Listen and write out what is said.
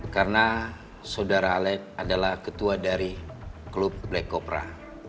karena saudara alec adalah ketua dari klub black cobra